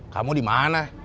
kamu di mana